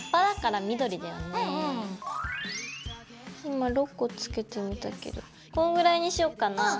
今６個つけてみたけどこんぐらいにしよっかなぁ。